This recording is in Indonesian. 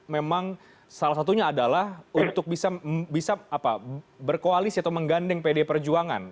memang salah satunya adalah untuk bisa berkoalisi atau menggandeng pdi perjuangan